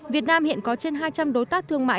việt nam hiện có trên hai trăm linh đối tác thương mại